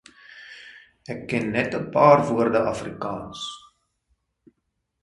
Ek ken net ’n paar woorde Afrikaans